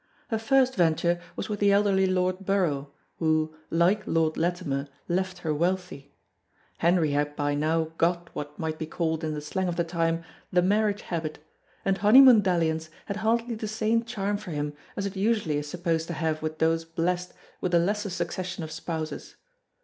Her first venture was with the elderly Lord Borough, who, like Lord Latimer, left her wealthy. Henry had by now got what might be called in the slang of the time "the marriage habit," and honeymoon dalliance had hardly the same charm for him as it usually is supposed to have with those blessed with a lesser succession of spouses.